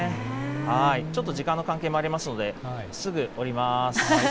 ちょっと時間の関係もありますので、すぐ降ります。